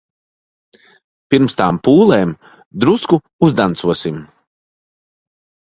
Pirms tām pūlēm drusku uzdancosim.